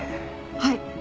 はい。